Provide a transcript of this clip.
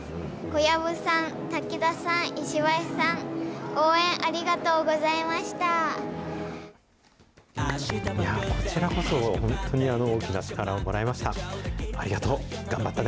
こちらこそ、本当に大きな力をもらいました。